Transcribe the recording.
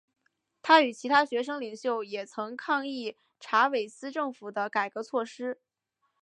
他与其他学生领袖也曾抗议查韦斯政府的改革措施。